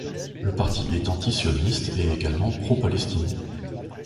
Le parti est antisioniste et également pro-palestinien.